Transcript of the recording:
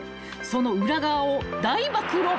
［その裏側を大暴露］